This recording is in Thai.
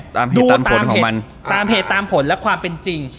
ตามเหตุตามผลของมันตามเหตุตามผลและความเป็นจริง